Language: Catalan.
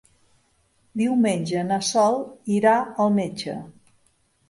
Diumenge na Sol irà al metge.